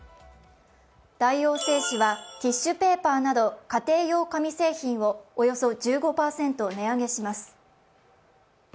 大王製紙はティッシュペーパーなど家庭用紙製品をおよそ１５％値上げします。